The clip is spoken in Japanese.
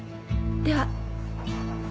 では。